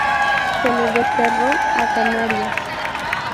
Se le desterró a Canarias.